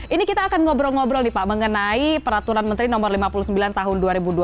ini kita akan ngobrol ngobrol nih pak mengenai peraturan menteri no lima puluh sembilan tahun dua ribu dua puluh